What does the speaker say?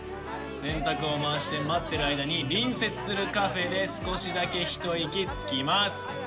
洗濯を回して待ってる間に隣接するカフェで少しだけ一息つきます